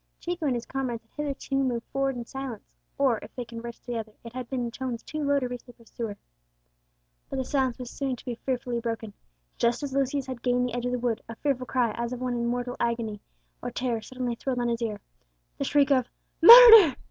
Chico and his comrades had hitherto moved forward in silence; or if they conversed together, it had been in tones too low to reach their pursuer. But the silence was soon to be fearfully broken. Just as Lucius had gained the edge of the wood, a fearful cry, as of one in mortal agony or terror, suddenly thrilled on his ear. The shriek of "Murder!"